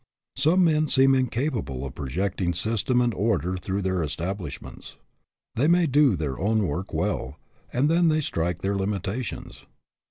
Some men seem incapable of projecting system and order through their establishments. They may do their own work well, and then they strike their limitations.